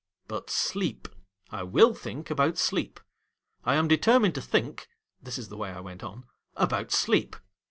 But, Sleep. I will think about Sleep. I am determined to think (this is the way I went on) about Sleep.